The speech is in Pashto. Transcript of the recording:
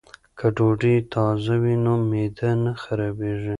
که ډوډۍ تازه وي نو معده نه خرابیږي.